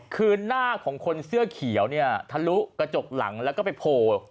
คือหน้าของคนเสื้อเขียวเนี่ยทะลุกระจกหลังแล้วก็ไปโผล่